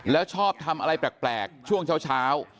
แล้วชอบทำอะไรแปลกช่วงเช้า